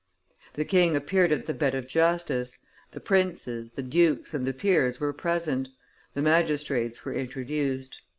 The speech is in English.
The king appeared at the bed of justice; the princes, the dukes, and the peers were present; the magistrates were introduced.